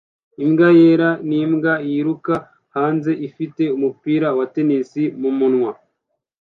Imbwa yera nimbwa yiruka hanze ifite umupira wa tennis mumunwa